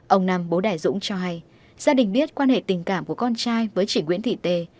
ông nam bố đại dũng cho hay gia đình biết quan hệ tình cảm của con trai với chị nguyễn thị tê